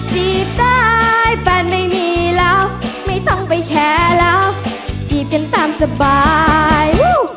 จีบได้แฟนไม่มีแล้วไม่ต้องไปแชร์แล้วจีบกันตามสบาย